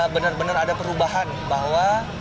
benar benar ada perubahan bahwa